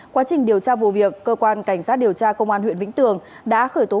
quá trình điều tra vụ việc cơ quan cảnh sát điều tra công an huyện vĩnh tường đã khởi tố